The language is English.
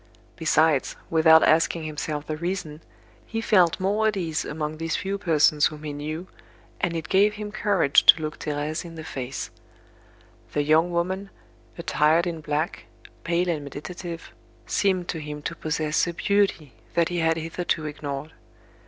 Besides, without asking himself the reason, he felt more at ease among these few persons whom he knew, and it gave him courage to look Thérèse in the face. The young woman, attired in black, pale and meditative, seemed to him to possess a beauty that he had hitherto ignored.